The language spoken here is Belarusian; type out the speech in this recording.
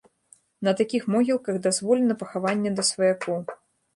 На такіх могілках дазволена пахаванне да сваякоў.